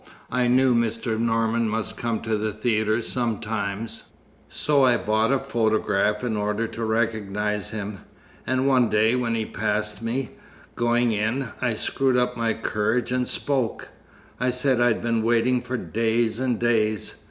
I knew Mr. Norman must come to the theatre sometimes, so I bought a photograph in order to recognize him; and one day when he passed me, going in, I screwed up my courage and spoke. I said I'd been waiting for days and days.